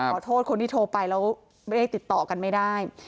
ขอโทษคนที่โทรไปแล้วไม่ได้ติดต่อกันไม่ได้